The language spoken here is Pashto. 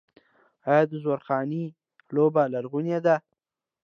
آیا د زورخانې لوبه لرغونې نه ده؟